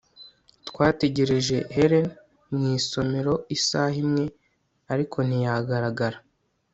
twategereje helen mu isomero isaha imwe, ariko ntiyagaragara